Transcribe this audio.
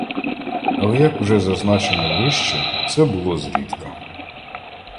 Але, як уже зазначено вище, — це було зрідка.